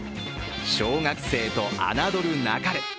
小学生と侮るなかれ。